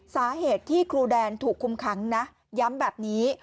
สาเหตุที่ครูแดนถูกคุมขังนะย้ำแบบนี้